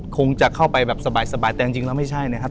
คงจะเข้าไปแบบสบายแต่จริงแล้วไม่ใช่นะครับ